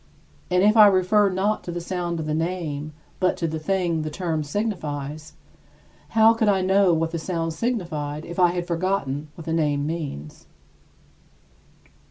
And if I refer not to the sound of the name, but to the thing which the term signifies, how could I know what that sound signified if I had forgotten what the name means?